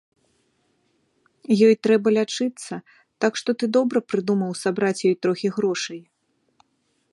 Ёй трэба лячыцца, так што ты добра прыдумаў сабраць ёй трохі грошай.